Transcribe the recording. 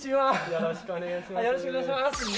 よろしくお願いします。